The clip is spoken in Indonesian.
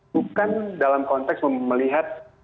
bukan dalam konteks melihat